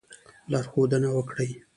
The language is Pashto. لارښودنه وکړي.